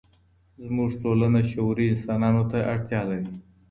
زموږ ټولنه شعوري انسانانو ته اړتيا لري.